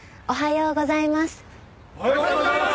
おはようございます！